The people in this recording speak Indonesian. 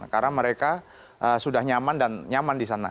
karena mereka sudah nyaman dan nyaman di sana